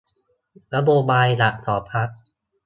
นโยบายหลักของพรรค